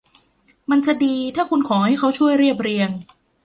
มันจะดีถ้าคุณขอให้เขาช่วยเรียบเรียง